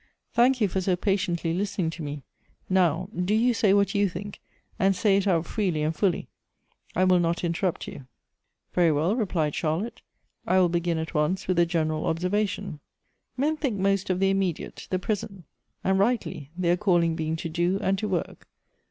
Thank you for so patiently listening to me. Now, do you say what you think, and say it out fi eely and fully ; I will not interrupt you." " Very well," replied Charlotte ;" I will begin at once with a general observation. Men think most of the im mediate — the present ; and rightly, their calling being to do and to work.